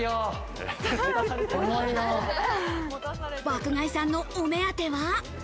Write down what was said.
爆買いさんのお目当ては。